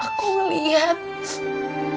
aku lihatnya anjut